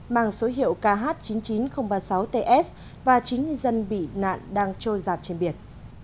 mang số hiệu kh chín mươi chín nghìn ba mươi sáu ts và chín ngư dân bị nạn đang trôi giạt trên biển